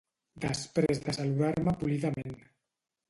— després de saludar-me polidament.